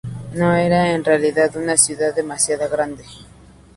No era en realidad una ciudad demasiado grande.